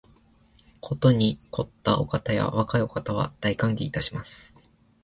ことに肥ったお方や若いお方は、大歓迎いたします